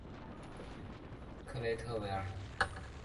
克雷特维尔。